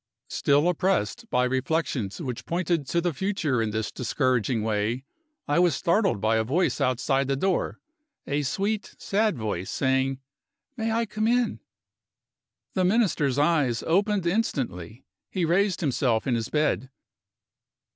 Still oppressed by reflections which pointed to the future in this discouraging way, I was startled by a voice outside the door a sweet, sad voice saying, "May I come in?" The Minister's eyes opened instantly: he raised himself in his bed.